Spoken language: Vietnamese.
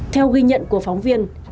theo ghi nhận của phóng viên